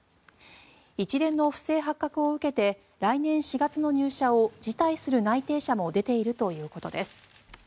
一連の不正発覚を受けて来年４月の入社を辞退する内定者も出ているということです。